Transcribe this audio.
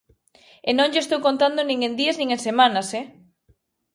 E non lle estou contando nin en días nin en semanas, ¡eh!